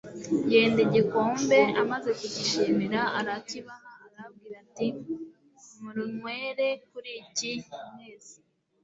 Yenda igikombe, amaze kugishimira arakibaha, arababwira ati: mlunywere kuri iki mwese